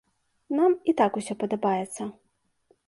Нам і так усё падабаецца.